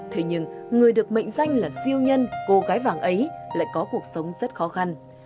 thế nhưng người được mệnh danh là siêu nhân cô gái vàng ấy lại có cuộc sống rất khó khăn